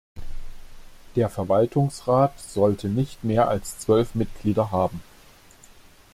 Der Verwaltungsrat sollte nicht mehr als zwölf Mitglieder haben.